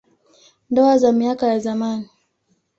Ndoa za miaka ya zamani.